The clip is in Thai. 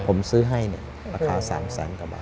ผมซื้อให้ราคา๓แสนกว่าบาท